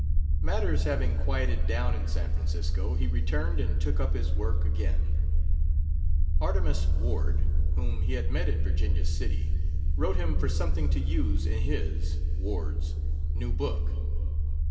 Matters having quieted down in San Francisco, he returned and took up his work again. Artemus Ward, whom he had met in Virginia City, wrote him for something to use in his (Ward's) new book.